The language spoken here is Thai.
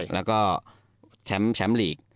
แล้วก็แชมป์ลีก